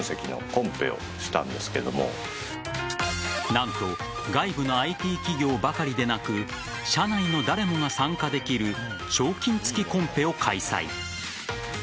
何と外部のＩＴ企業ばかりでなく社内の誰もが参加できる賞金付きコンペを開催。